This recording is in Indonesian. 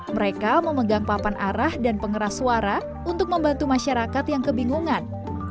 mereka memegang papan arah dan pengeras suara untuk membantu masyarakat yang kebingungan